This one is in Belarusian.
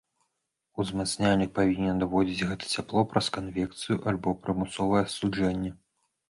Узмацняльнік павінен адводзіць гэта цяпло праз канвекцыю альбо прымусовае астуджэнне.